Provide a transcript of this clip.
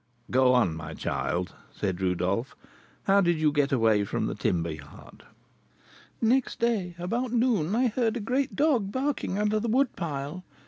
"Go on, my child," said Rodolph. "How did you get away from the timber yard?" "Next day, about noon, I heard a great dog barking under the wood pile.